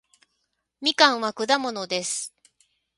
みかんは果物です